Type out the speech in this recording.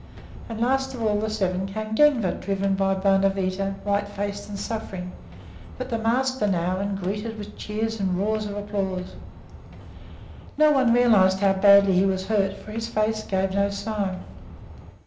And last of the seven came Denver, driven by Bonavita, white faced and suffering, but the master now, and greeted with cheers and roars of applause. No one realized how badly he was hurt, for his face gave no sign.